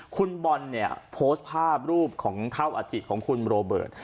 คุณบอลเนี่ยโพสต์ภาพรูปของเท่าอาทิตของคุณโรเบิร์ต